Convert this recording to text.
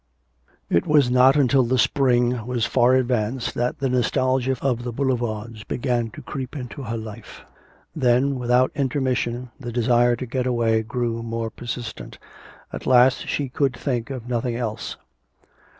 XIII. It was not until the spring was far advanced that the nostalgia of the boulevards began to creep into her life. Then, without intermission, the desire to get away grew more persistent, at last she could think of nothing else.